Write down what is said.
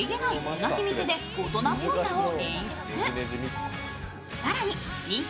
うなじ見せで大人っぽさを演出。